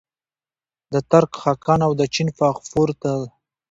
د ترک خاقان او د چین فغفور ته.